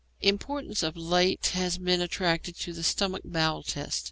Importance of late has been attached to the stomach bowel test.